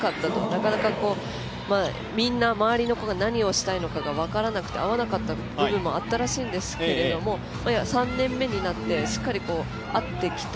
なかなかみんな周りの子が何をしたいのかが分からなくて合わなかった部分もあったらしいんですけど３年目になってしっかり合ってきた。